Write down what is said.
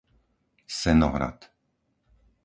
Senohrad